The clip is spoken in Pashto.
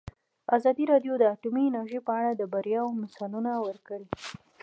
ازادي راډیو د اټومي انرژي په اړه د بریاوو مثالونه ورکړي.